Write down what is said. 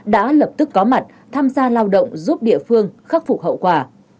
đã lập tức có mặt tham gia lao động giúp địa phương khắc phục hậu quả